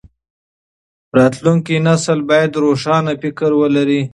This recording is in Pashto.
راتلونکی نسل بايد روښانه فکر ولري.